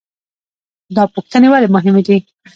دا پوښتنې ولې مهمې دي؟